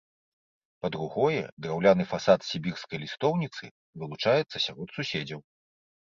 Па-другое, драўляны фасад з сібірскай лістоўніцы вылучаецца сярод суседзяў.